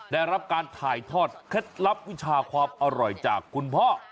ได้รับการถ่ายทอดเคล็ดลับวิชาความอร่อยจากคุณพ่อ